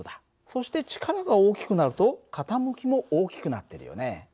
そして力が大きくなると傾きも大きくなってるよね。